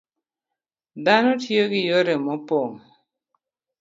Dhano tiyo gi yore mopog